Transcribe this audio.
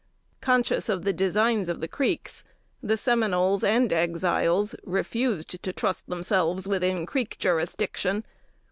Conscious of the designs of the Creeks, the Seminoles and Exiles refused to trust themselves within Creek jurisdiction.